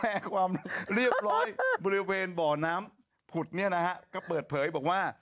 ความเรียบร้อยบริเวณบ่อน้ำผุดเนี่ยนะฮะก็เปิดเผยบอกว่า